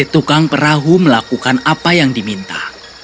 tukang perahu melakukan apa yang diminta